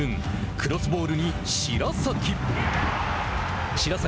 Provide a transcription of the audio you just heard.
クロスボールに白崎。